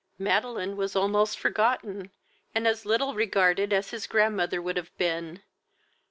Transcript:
Madeline was almost forgotten, and as little regarded as his grandmother would have been.